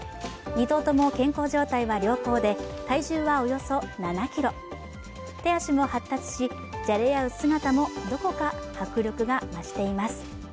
２頭とも健康状態は良好で体重はおよそ７ｋｇ、手足も発達し、じゃれあう姿もどこか迫力が増しています。